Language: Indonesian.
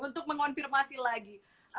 untuk mengonfirmasi lagi